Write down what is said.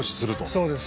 そうです。